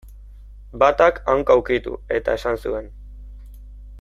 Batak, hanka ukitu eta esan zuen.